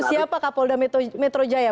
siapa kapolri metro jaya